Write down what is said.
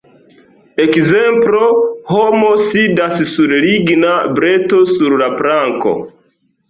Ekzemplo: Homo sidas sur ligna breto sur la planko.